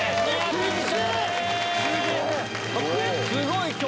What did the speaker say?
すごい！